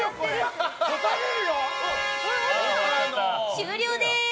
終了です。